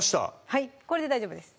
はいこれで大丈夫です